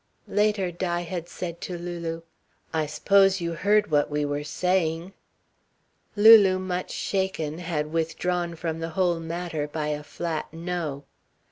Later Di had said to Lulu: "I s'pose you heard what we were saying." Lulu, much shaken, had withdrawn from the whole matter by a flat "no."